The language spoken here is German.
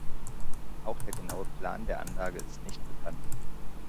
Auch der genaue Plan der Anlage ist nicht bekannt.